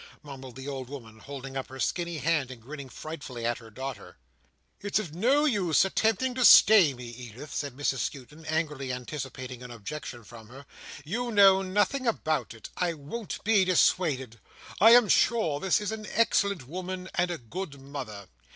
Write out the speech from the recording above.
mumbled the old woman, holding up her skinny hand, and grinning frightfully at her daughter. "It's of no use attempting to stay me, Edith!" said Mrs Skewton, angrily anticipating an objection from her. "You know nothing about it. I won't be dissuaded. I am sure this is an excellent woman, and a good mother."